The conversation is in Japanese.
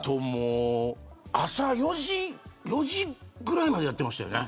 朝の４時ぐらいまでやっていましたよね。